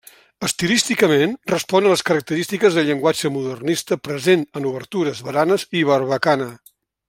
Estilísticament respon a les característiques del llenguatge modernista present en obertures, baranes i barbacana.